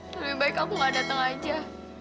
lebih baik aku gak datang aja